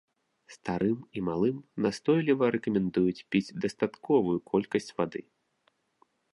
Старым і малым настойліва рэкамендуюць піць дастатковую колькасць вады.